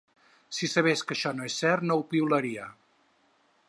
Si sabés que això no és cert no ho piularia.